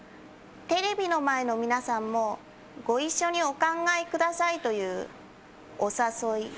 「テレビの前の皆さんもご一緒にお考えください」というお誘い。